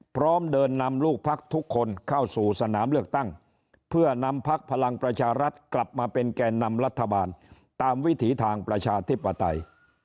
พร้อมเดินนำลูกพักทุกคนเข้าสู่สนามเลือกตั้งเพื่อนำพักพลังประชารัฐกลับมาเป็นแก่นำรัฐบาลตามวิถีทางประชาธิปไตย